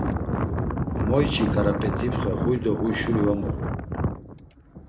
Moyçi Ǩarapet̆ipxe huy do huy şuri va moğu.